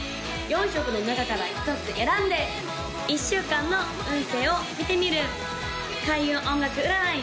４色の中から１つ選んで１週間の運勢を見てみる開運音楽占い